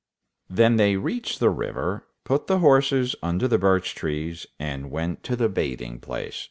Then they reached the river, put the horses under the birch trees, and went to the bathing place.